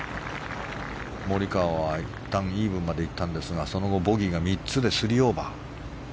モリカワはいったんイーブンまで行ったんですがその後、ボギーが３つで３オーバー。